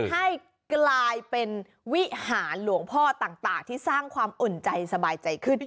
ให้กลายเป็นวิหารหลวงพ่อต่างที่สร้างความอุ่นใจสบายใจขึ้น